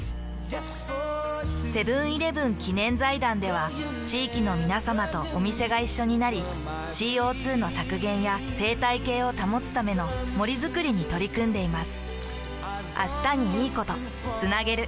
セブンーイレブン記念財団では地域のみなさまとお店が一緒になり ＣＯ２ の削減や生態系を保つための森づくりに取り組んでいます。